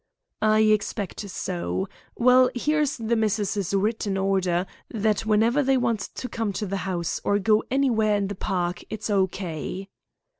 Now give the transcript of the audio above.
"I expect so. Well, here's the missus's written order that whenever they want to come to the 'ouse or go anywheres in the park it's O.K."